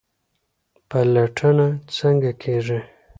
پلټنه څنګه کیږي؟